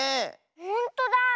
ほんとだ。